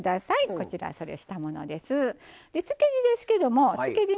こちらそれをしたものです。